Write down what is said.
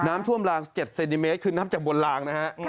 น้ำท่วมลาง๗เซนติเมตรคือนับจากบนลางนะฮะ